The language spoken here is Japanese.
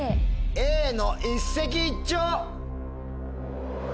Ａの「一石一鳥」！